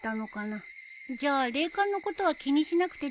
じゃあ霊感のことは気にしなくて大丈夫？